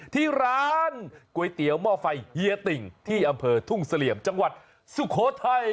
ที่ร้านก๋วยเตี๋ยวหม้อไฟเฮียติ่งที่อำเภอทุ่งเสลี่ยมจังหวัดสุโขทัย